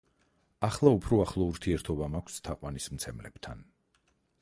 ახლა უფრო ახლო ურთიერთობა მაქვს თაყვანისმცემლებთან.